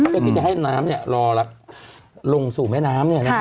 เพื่อที่จะให้น้ำรอลงสู่แม่น้ำ